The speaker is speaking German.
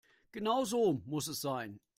Genau so muss es sein.